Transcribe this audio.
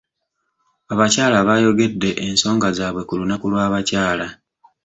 Abakyala baayogedde ensonga zaabwe ku lunaku lw'abakyala.